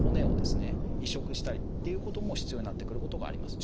移植したりっていうことも必要になってくることがあります。